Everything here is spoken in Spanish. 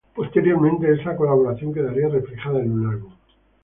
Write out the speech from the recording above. Posteriormente, esta colaboración quedaría reflejada en un álbum.